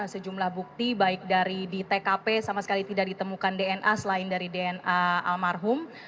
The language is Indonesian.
sejumlah bukti baik dari di tkp sama sekali tidak ditemukan dna selain dari dna almarhum